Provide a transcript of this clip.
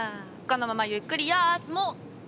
このままゆっくりやすもう。